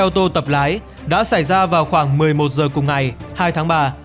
xe đầu kéo và xe ô tô tập lái đã xảy ra vào khoảng một mươi một h cùng ngày hai tháng ba